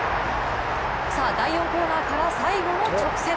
さあ、第４コーナーから最後の直線。